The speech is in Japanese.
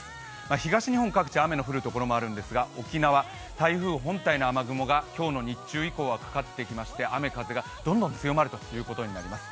東日本各地、雨が降るところもあるんですが沖縄を台風本体の雨雲が今日の日中以降はかかってきまして雨風がどんどん強まるということになりそうです。